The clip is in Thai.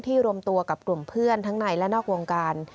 รวมตัวกับกลุ่มเพื่อนทั้งในและนอกวงการ